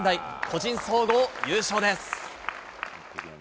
個人総合優勝です。